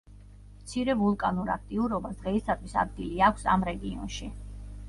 მცირე ვულკანურ აქტიურობას დღეისათვის ადგილი აქვს ამ რეგიონში.